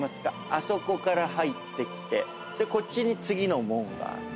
あそこから入ってきてこっちに次の門が。